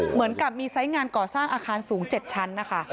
เหมือนกับมีไซส์งานก่อสร้างอาคารสูง๗ชั้นนะคะ